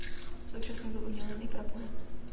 Současně byl udělen i prapor.